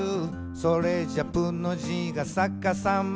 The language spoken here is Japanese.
「それじゃ『プ』の字がさかさまだ」